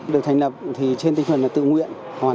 được thành lập thì trên tinh thần là tự nguyện